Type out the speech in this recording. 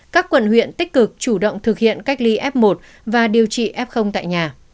các quận huyện tích cực chủ động thực hiện cách ly f một và điều trị f tại nhà